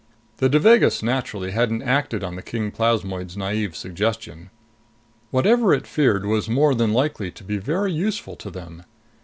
The Devagas, naturally, hadn't acted on the king plasmoid's naive suggestion. Whatever it feared was more than likely to be very useful to them.